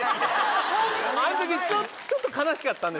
あのときちょっと悲しかった。